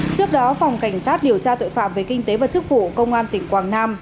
trước đó phòng cảnh sát điều tra tội phạm về kinh tế và chức vụ công an tỉnh quảng nam